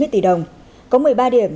hai trăm chín mươi tỷ đồng có một mươi ba điểm